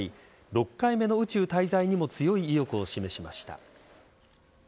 ６回目の宇宙滞在にも強い意欲を示しました。